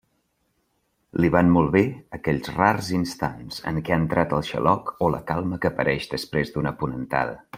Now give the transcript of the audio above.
Li van molt bé aquells rars instants en què ha entrat el xaloc o la calma que apareix després d'una ponentada.